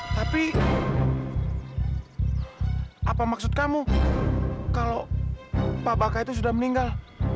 tapi apa maksud kamu kalau pak baka itu sudah meninggal